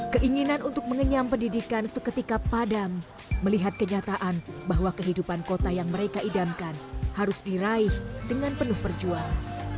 keinginan untuk mengenyam pendidikan seketika padam melihat kenyataan bahwa kehidupan kota yang mereka idamkan harus diraih dengan penuh perjuang